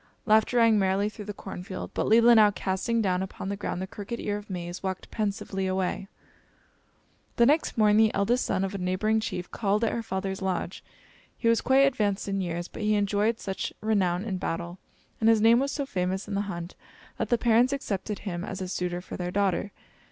Laughter rang merrily through the corn field, but Leelinau, casting down upon the ground the crooked ear of maize, walked pensively away. The next morning the eldest son of a neighboring chief called at her father's lodge. He was quite advanced in years; but he enjoyed such renown in battle, and his name was so famous in the hunt, that the parents accepted him as a suitor for their daughter.